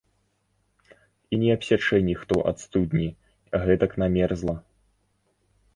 І не абсячэ ніхто ад студні, гэтак намерзла!